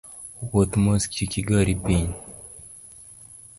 Wuoth mos kik igori piny